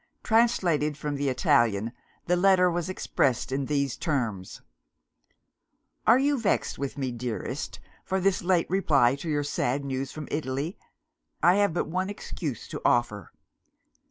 Translated from the Italian, the letter was expressed in these terms: "Are you vexed with me, dearest, for this late reply to your sad news from Italy? I have but one excuse to offer.